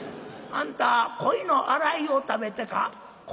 「あんた鯉の洗いを食べてか？」。